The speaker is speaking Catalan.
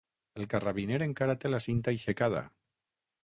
El carrabiner encara té la cinta aixecada.